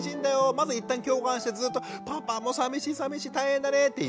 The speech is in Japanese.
まず一旦共感してずっと「パパもさみしいさみしい大変だね」って言う。